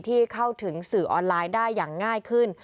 เข้าถึงสื่อออนไลน์ได้อย่างง่ายขึ้น